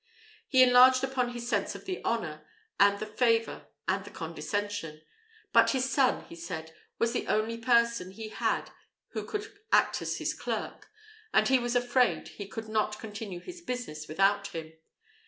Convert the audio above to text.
He enlarged upon his sense of the honour, and the favour, and the condescension; but his son, he said, was the only person he had who could act as his clerk, and he was afraid he could not continue his business without him.